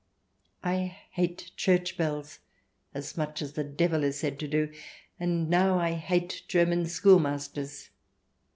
I hate church bells as much as the Devil is said to do, and now I hate German schoolmasters.